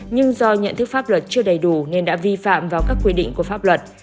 nhưng do nhận thức pháp luật chưa đầy đủ nên đã vi phạm vào các quy định của pháp luật